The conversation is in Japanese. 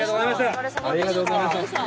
お疲れさまでした。